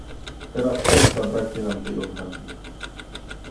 Teraz też zabraknie nam tej odwagi